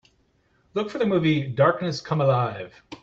Look for the movie Darkness Come Alive